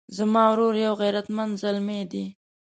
زما ورور یو غیرتمند زلمی ده